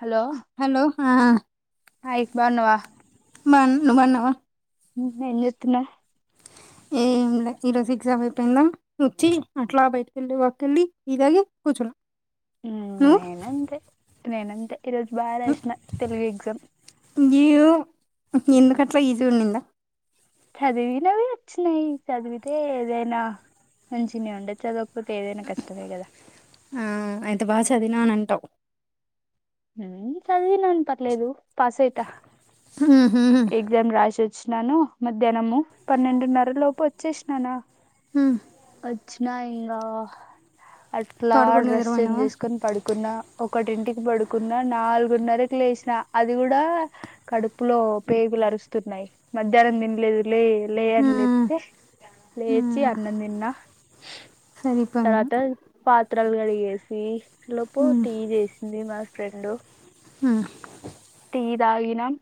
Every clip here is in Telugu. హలో హలో ఆ హాయ్ బాగున్నవా మన్ మన్నవా నువ్వేం జేత్తున్నవ్? ఏంలే ఈరోజ ఎగ్జామ్ అయిపోయిదా వచ్చి అట్లా బయటికెళ్ళి, వాక్కెళ్ళి టీ తాగి కూర్చోల మ్ నేనంతె నేనంతే ఈరోజు బాగా రాసిన తెలుగు ఎగ్జామ్ ఈయు ఎందుకట్ల ఈజీ ఉనిందా? చదివినవి వచ్చినయి చదివితే ఏదైనా మంచిగనే ఉండే చదవకపోతే ఏదైనా కష్టమే కదా ఆ అయితే బాగా చదివినా అన్ అంటవ్ చదివినాన్ పర్లేదు పాస్ అయిత మ్ హ్ హ్ వచ్చినాను మధ్యానము పన్నెండున్నరలో వచ్చేసినాన ఉమ్ వచ్ నా ఇంగ అట్లా పడుకొని డ్రెస్ చేంజ్ నిద్రపోయినావా చేస్కొన్ పడుకున్నా ఒకటింటికి పడుకున్న నాలుగున్నరక్ లేసిన అది గుడా కడుపులో పేగుల్ అరుస్తున్నయి మధ్యాహ్నం తిన్లేదు లే లే ఆ అన్ లేప్తే ఆ లేచి అన్నం తిన్నా. సరిపోయింది తర్వాత పా త్రల్ కడిగేసీ లోపు టీ చేసింది మా ఫ్రెండు మ్ టీ తాగినం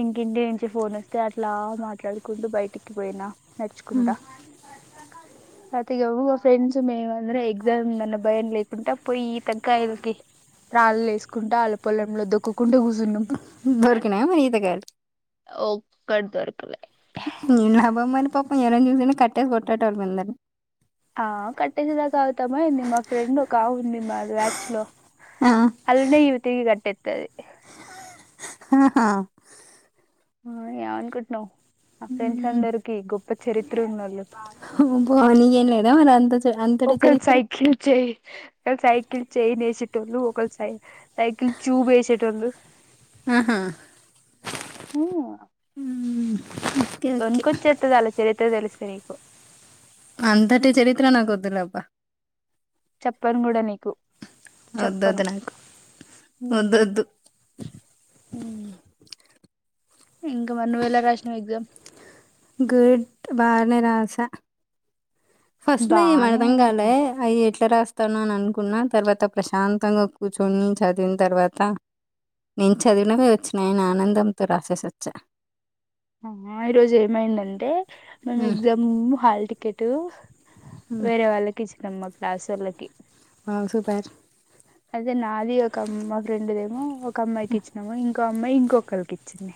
ఇంకింటి నుంచి ఫోన్ వస్తే అట్లా మాట్లాడ్కుంటూ బయటికి పోయినా నడుచుకుంట. తర్వాత ఇగ మా ఫ్రెండ్స్ మేమందరం ఎగ్ గ్జామ్ ఉందన్న భయం లేకుంట పోయి టెంకాయలకి రాళ్ళేస్కుంట ఆళ్ల పొలంలో దొక్కుంటే కూసున్నాం. దొరికినాయా మరి ఈతకాయలు ఒక్కట్ దొర్కలే నీ నా బొమ్మను పాపం ఎరం చూసిన అయినా కట్టేసి కొట్టేటోళ్ళు మేమందరం ఆ కట్టేసేదాకా ర్యాచ్లో ఆ అల్లనే ఇవి తీగ కట్టేత్తది. ఆహా ఆ అనుకుంటున్నావ్ ఆ ఫ్రెండ్స్ అందరికి గొప్ప చరిత్ర ఉన్నవాళ్ళు బానీయలేదా ఏం మరి అంతా చె ఒకల్ సైకిల్ చే ఒక సైకిల్ చేయి వేషి టు ఒక సై సైకిల్ క్యూబ్ వేసేటోలు ఆహా ఆ ఓ ఊ దన్కొచ్చేత్త దళ్ళ చరిత్ర తెలిస్తే నీకు? అంతటి చరిత్ర నాకొద్దులే అబ్బ చెప్పను కూడా నీకు వద్దొద్దునా ఊ ఉ ఇంకా మరి నువ్వేళ రాసినవ్ గా గుడ్ బానే రాశా ఫస్ట్ లో ఏం బానే అర్థం కాలే అయ ఎట్ ఇట్ట రాస్తాను అని అనుకున్నా తర్వాత ప్రశాంతంగా కూర్చొని చదివిన తర్వాత నేను చదివినవే వచ్చినాయన ఆనందంతో రాసేసొచ్చా ఆహ ఈరోజు ఏమైందంటే మేము ఉమ్, ఎగ్జామ్ హాల్ టికెట్ ఉమ్, వేరే వాళ్ళకి చందమ్మా క్లాస వాలకి ఆ సుపర్ అదే నాది ఒక అమ్మ ఫ్రెండ్ దేమో ఒక అమ్మాయికి ఇచ్చినాము ఇంకో అమ్మాయి ఇంకొ ఒకలికిచ్చింది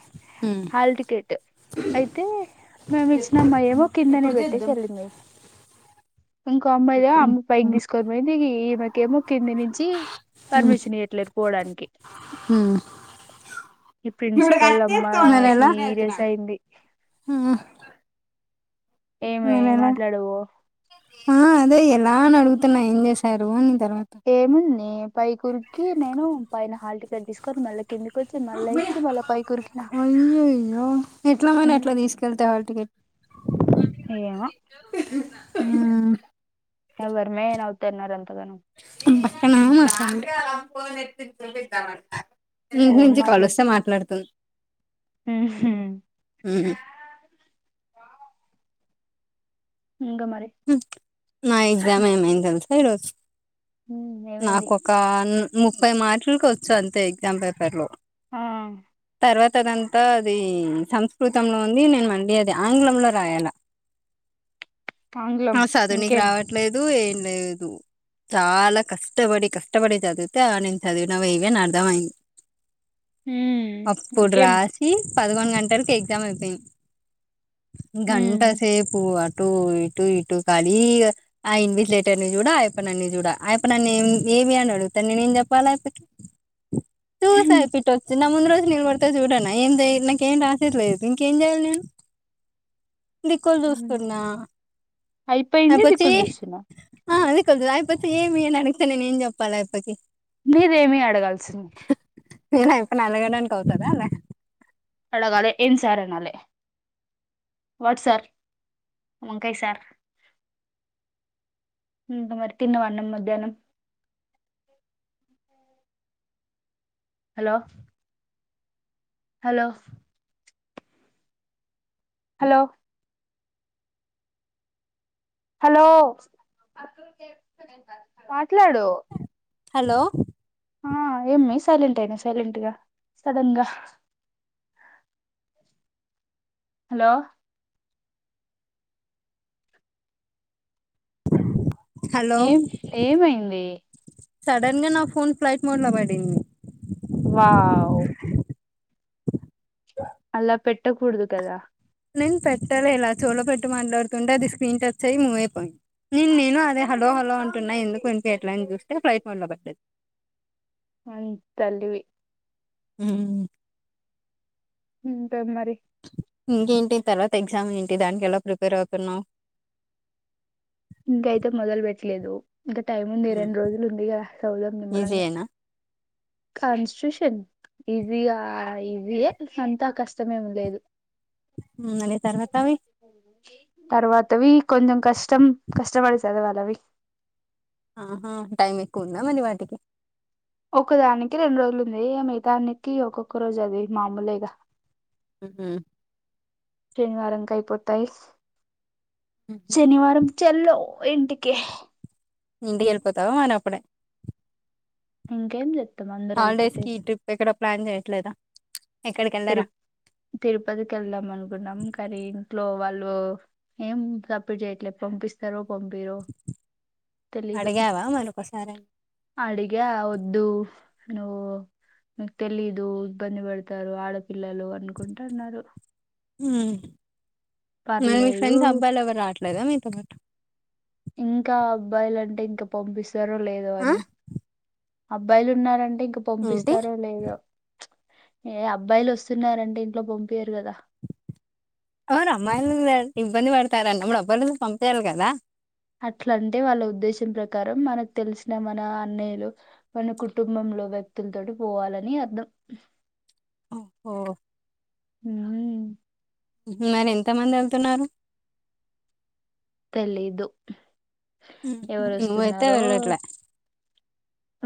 ఉమ్, హల్ టికెట్ అయితే మేము ఇచ్చినమ్మా ఏమో కిందనే పెట్టేసిల్లి ఇల్లింది. ఇంకో అమ్మాయిద ఉమ్, అమ్మ పైకి ఉమ్, తీసుకోని పోంది ఈ మక ఏమో కింద నుంచి పర్మిషన్ ఇయట్లేదు పోవడానికి ఉమ్. ఈ ప్రిన్సిపల్ అమ్మ మరి ఎలా సీరియస్ అయింది. న ఏమే నల మాట్లాడవో ఆ అదే ఎలా అని అడుగుతున్నా ఏం చేసారు అని తర్వాత ఏముంది పై కురికి నేను పైన హాల్ టికెట్ తీసుకొని మళ్ళ కిందికొచ్చి మళ్ళా ఇచ్చి మళ్ళా పై కురికినా అయ్యయ్యో ఎట్లా హు మరి అట్లా తీసుకెళ్తే హాల్ టికెట్ ఏమో ఆ ఎవరి మే నవత ఎనార అంతదన్ పక్కన మా ప్ఫ్యామిలీ మీ ఇంటి నుంచి కాల్ వస్తే మాట్లాడుతుంది. ఉమ్ ఊహు ఇంకా మరి హు నా ఎగ్జామ్ ఏమైంద తెలిసా ఈరోజు? ఉమ్, ఏమైంది నాకొక ను ముప్పై మార్కులకి వచ్చు అంతే ఎగ్జామ్ పేపర్ లో ఆ తర్వాత అదంతా అది సంస్కృతంలో ఉంది. నేను మళ్ళి అది ఆంగ్లంలో రాయాల ఆంగ్లం ఆ చదువు నీకు ఇంకేం రావట్లేదు ఏం లేదు చాలా కష్టపడి కష్టపడి చదివితే ఆ నేను చదివినవి ఇవి అని అర్థమయింది. ఉమ్, అప్పుడు ఇంకేం రాసి పదకొండు గంటలకి ఎగ్జామ్ అయిపోయింది. ఉమ్, గంట సేపు అటు ఇ టు ఇటు ఖాళీ గా ఆ ఇన్విట్లేటర్ ని చూడా అయప్ప నన్ను చూడ అయప్ప నన్ను ఏ ఏమి అని అడుగు అతన్ని నేను చెప్పాలా అయిప్పకి చూస అయిపోట్ వచ్చ నా ముందు రోజు నేన్ కొడ్తా చూడన్న ఏందే నాకేం రాసేట్లేదు ఇంకేం చెయ్యాలి నేను దిక్కుల్ చూస్తున్నా. అయిపోయిందే అయిపోచ్చి దిక్కుల్ చేస్తున్న ఆ అదే కదా అయిపోతే ఏమి అన్ అడిగితే నేనేం చెప్పాలె ఆ అప్పకి నీదేమి అడగాల్సింది నేను అయిపోయిన అలగడానిక్ అవుతదాలె అడగాలె ఏం సార్ అన్ నాలె వాట్ సార్ వంకాయ్ సార్ ఇంక మరి తిన్నవా అన్నం మధ్యాహ్నం? హలో! హలో! హలో! హలో మాట్లాడూ హలో! ఆ ఏమి సైలెంట్ అయినవ్ సైలెంట్గ సడన్గా హలో! హలో ఏం ఏమైంది? సడన్గ నా ఫోన్ ఫ్లైట్ మోడ్లో పడిం వావ్ అలా పెట్టకూడదు కదా నేన్ పెట్టలె ఇలా చెవిలో పెట్టి మాట్లాడుతుంటే అది స్క్రీన్ టచ్ అయ్యి మూవ్ అయిపోయి నిన్ నేను అదే హలో హలో అంటున్నా ఎందుకు వినిపియట్లే అన్ చూస్తే ఫ్లైట్ మోడ్లో పడ్డది. అం తల్లివి మ్ ఇంక మరి ఇంకేంటి తర్వాత ఎగ్జామ్ ఏంటి దానికెలా ప్రిపేర్ అవుతున్నావు? ఇంకైతే మొదల్ పెట్టలేదు ఇంకా టైం ఉంది రెండు రోజులు ఉందిగా చదుదాం నిమ్మలంగ ఈజీయేనా కాన్స్టిట్యూషన్ ఈసీగా ఈసీయే అంతా కష్టమేమి లేదు మ్ మరి తర్వాతవి తర్వాతవి కొంచం కష్టం కష్టపడి చదవాలవి ఆహా టైమ్ ఎక్కు ఉందా మరి వాటికి ఒకదానికి రెండు రోజులు ఉంది ఇగ మిగతా అన్నిటికి ఒక్కొక్క రోజే అది మామూలేగా మ్ శనివారం కైపోతాయి శనివారం చల్లో ఇంటికే ఇంటికెళ్ళిపోతావా మనప్పుడే ఇంకేం జేత్ హాల్డేస్కి ట్రిప్ ఎక్కడా ప్లాన్ చేయట్లేదా ఎక్కడికి తిరు వెళ్ళరా తిరుపతికెళ్దాం అనుకున్నాం కనీ ఇంట్లో వాళ్ళు ఏం సప్పుడ్ చేయట్లే పంపిస్తరో పంపీయరో తెలీదు. అడిగావా మరొకసారి అడిగా వద్దూ నువ్ మీక్ తెలీదు అబ్బంది పడ్తారు ఆడపిల్లలు అనుకుంట అన్నారు. మ్ మరి మీ పర్లేదు ఫ్రెండ్స్ అబ్బాయిలు ఎవరు రావట్లేదా మీతో పాటు ఇంకా అబ్బాయిలంటే ఇంక పంపిస్తరో లేదో ఆ అని అబ్బాయిలు ఉన్నారంటే ఇంక ఏంటి పంపిస్తారో లేదో ఏ అబ్బాయిలు వస్తున్నారంటే ఇంట్లో పంపియారు కదా అవును అమ్మాయిలు వేల్ ఇబ్బంది పడతారనప్పుడు అబ్బాయిలను పంపియాలి కదా అట్లా అంటే వాళ్ళ ఉద్దేశం ప్రకారం మనకు తెలిసిన మన అన్నయ్యలు మన కుటుంబం లో వ్యక్తులతోటి పోవాలని అర్థం ఓ హుమ్ మరి ఎంత మంది వెళ్తున్నారు తెలీదు ఎవరు నువ్వైతే వస్తున్నారో వెళ్ళట్లే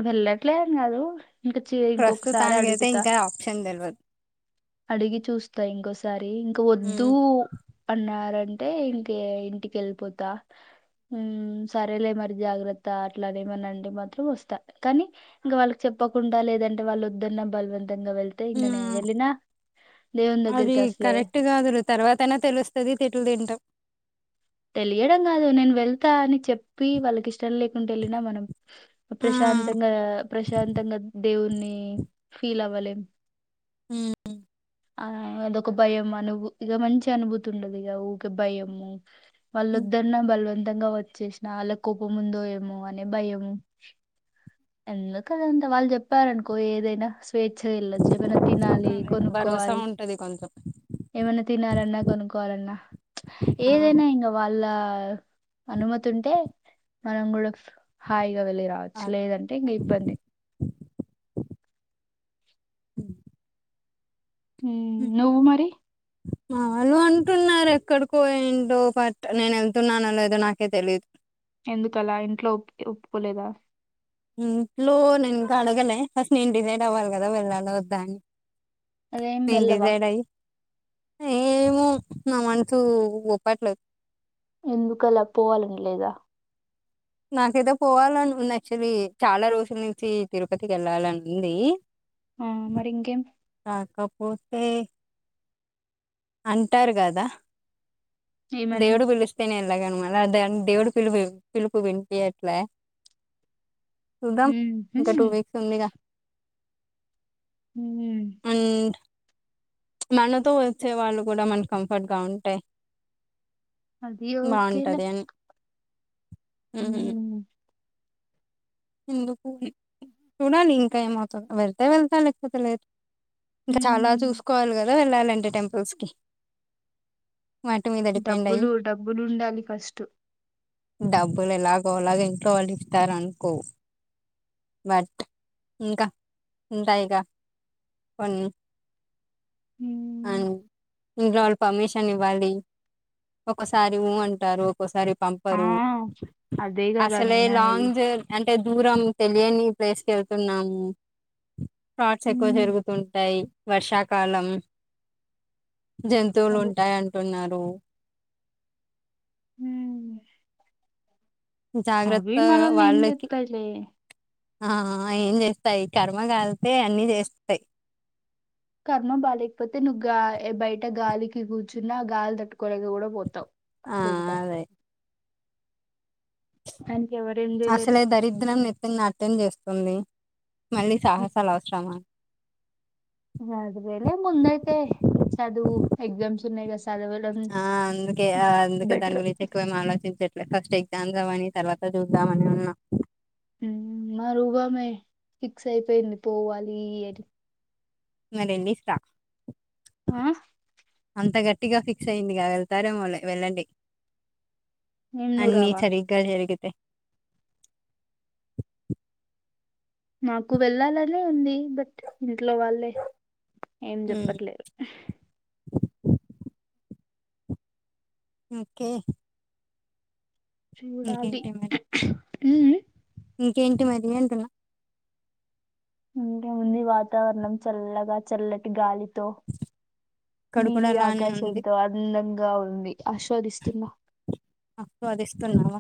వెళ్ళట్లేదు మరి ఇంక చి ఇంకొకసారి ప్రస్తుతానికైతే అడుగుతా ఇంకా ఆప్షన్ తెలియదు అడిగి చూస్తా ఇంకోసారి ఇంక వద్దు ఉమ్, అన్నారంటే ఇంకే ఇంటికి వెళ్ళిపోతా ఉమ్ సరేలే మరి జాగ్రత్త అట్లానేమన అంటే మాత్రం వస్తా కానీ ఇంకా వాళ్ళకి చెప్పకుండా లేదంటే వాళ్ళ వద్దన్న బలవం తంగా వెళ్తే ఇంక నేను ఉమ్, వెళ్ళిన అది కరెక్ట్ కాదురా తర్వాతయినా తెలుస్తది తిట్లు తింటాం తెలియడం కాదు నేను వెళ్తా అని చెప్పి వాళ్ళకి ఇష్టం లేకుంటే వెళ్ళిన మనం ఆ, ప్రశాం శాంతంగా ప్రశాంతంగా దేవుని ఫీల్ అవ్వలేం ఉమ్ ఆ అదొక భయం అను ఇక మంచి అనుభూతి ఉండదుగా ఇక ఊకే భయము వాళ్లువదన బలవం తంగా వచ్చేసిన వాలక్ కోపముందో ఏమో అనే భయము ఎందుకదంతా వాళ్ళు చెప్పారనుకో ఏదైనా స్వేచ్ఛగా వెళ్లొచ్చు ఏమైన తినాలి అదే, భరోసా కొనుకోవాలి ఉంటది కొంచెం ఏమైన్నా తినాలన్నా కొనుక్కోవాలన్నా ఆ, ఏదైనా ఇంగ వాళ్ళ అనుమతి ఉంటే మనం కూడా హాయి వెళ్ళి రావచ్చు అదే. లేదంటే ఇంకా ఇబ్బంది [inaudible] హ ఉమ్ నువ్వు మరి వాళు అంటున్నారు ఎక్కడికో ఏంటో బట్ నేను వెళ్తున్నానో లేదో నాకే తెలియదు ఎందుకలా ఇంట్లో ఒప్పుకో ఒప్పుకోలేదా ఇంట్లో నేన్ ఇంకా అడగలే ఫస్ట్ నేను డిజైడ్ అవ్వాలి కదా వెళ్ళాలా వద్దా అని అదేం నేను వెళ్లవా డిసైడ్ అయ్యి ఏమో నా మనసు గొప్పట్లేదు ఎందుకు అలా పోవాలని లేదా నాకేతే పోవాలని ఉంది యాక్చులీ చాలా రోజుల నుంచి తిరుపతికి వెళ్ళాలని ఉంది ఆ మరి ఇంకేం పోతే అంటారు కదా ఏమని దేవుడు పీలుస్తేనే ఎ మ ద దేవుడు పిలుపు పిలుపు విన్నిపియట్లే చూద్దాం "మ్మ్, ఇంకా టూ మ్మ్, వీక్స్ ఉందిగా మ్మ్, అండ్ మనతో వచ్చే వాళ్ళు కూడా మనకు కంఫర్ట్ గా ఉంటే అది ఓకేలా ఉహ్మ్ ఎందుకు చూడాలి ఇంకా ఏమవుతుందో వెళ్తే వెళ్తా లేపోతే లే ఇంకా చాలా మ్మ్." చూసుకోవాలి కదా వెళ్ళాలంటే టెంపుల్స్ కి వాటి మీద డిపెండ్ అయ్యి డబ్బులు డబ్బులుండాలి ఫస్ట్ డబ్బులు ఎలాగోలాగా ఇంట్లో వాళ్ళు ఇస్తారు అనుకో బట్ ఇంకా ఉంటాయిగా కొన్ని అం మ్మ్. ఇంట్లో వాళ్ళు పర్మిషన్ ఇవ్వాలి ఒకసారి ఊ అంటారు ఒకసారి ఆ పంపరు అదే కదా అసలే నేననేది లాంగ్ జ అం టే దూరం తెలియని ప్లేస్ కి వెళ్తున్నాము ఫ్రాడ్స్ ఎక్కువ ఉమ్, జరుగుతుంటాయి వర్షాకాలం జంతువులు అదే ఉంటాయి అంటున్నారు హుమ్మ్ జాగ్రత్త ఏం వాళ్ళకి చెప్తాయిలే ఆ ఏం చేస్తాయి కర్మ కాలతే అన్ని చేస్తాయి కర్మ బాలేకపోతే నువ్వు గా బయట గాలికి కూర్చున్నా ఆ గాలి తట్టుకోలేక కూడా పోతావు ఆ అట్లఉంటా అదే అం అసలే దరిద్రం నెత్తిన నత్యంగా చేస్తుంది మళ్ళీ సాహసాలు అవసరమా అదేవేరే ముందైతే చదువు ఎక్జామ్స్ ఉన్నాయి చదవడం ఆ అందుకే అందుకే దాన్ని బెటర్ గురించి ఎక్కువ ఏం ఆలోచించా ఫస్ట్ ఎగ్జామ్స్ అవ్వని తర్వాత చూద్దామని ఉన్నా ఉమ్ మా రూమ్ ఆమే ఫిక్స్ అయిపోయింది పోవాలి అన్ని నరేందిస్త ఆ అంత గట్టిగా ఫిక్స్ అయ్యిందిగా వెళ్తారేమోలే వెళ్ళండి ఏం నువ్వు అన్ని రావా సరిగ్గా జరిగితే మాకు వెళ్ళాలనే ఉంది బట్ ఇంట్లో వాళ్ళే ఏం హ్మ్. చెప్పట్లేరు ఓకే చూడాలి ఇంకేంటి మరి ఉముమ్ ఇంకేంటి మరి అంటున్నా ఇంకేముంది వాతావరణం చల్లగా చల్లటి గాలి లో ఇక్కడ కూడా నీలి అలానే ఉంది ఆకాశంతో అందంగా ఉంది ఆస్వాదిస్ ఆహ్వాదిస్తున్నావ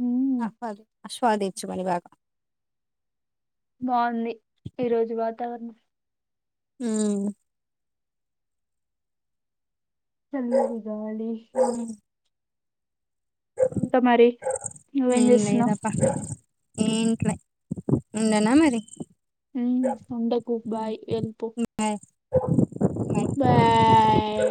హ్మ్ ఆహ్వాద్ ఆస్వాదించమని బాగా బావుంది ఈ రోజు వాతావరణం ఉహ్మ్ చల్లగా గాలి హ్మ్. ఇంకా మరి నువ్వేం ఏం చేస్తున్నావ్ లేద్దబా ఏంట్లే ఉండనా మరి ఉమ్ ఉండకు హ్మ్. బాయ్ వెలుపో బాయ్ బాయ్. బాయ్